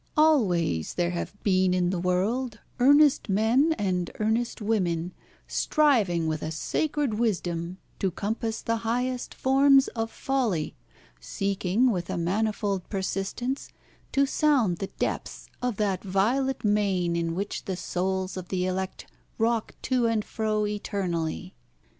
Always there have been in the world earnest men and earnest women striving with a sacred wisdom to compass the highest forms of folly, seeking with a manifold persistence to sound the depths of that violet main in which the souls of the elect rock to and fro eternally.